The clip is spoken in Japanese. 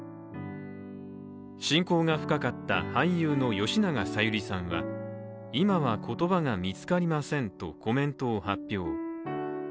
親交が深かった俳優の吉永小百合さんは今は言葉が見つかりませんとコメントを発表。